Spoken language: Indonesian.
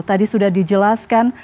tadi sudah dijelaskan